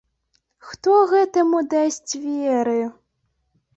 Хто гэтаму дасць веры!